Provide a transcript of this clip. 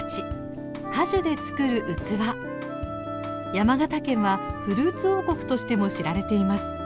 山形県はフルーツ王国としても知られています。